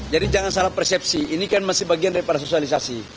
jadi jangan salah persepsi ini kan masih bagian dari sosialisasi